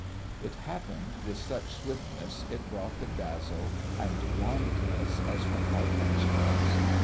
It happened with such swiftness it brought the dazzle and blindness as when lightning strikes.